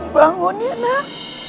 bangun ya nak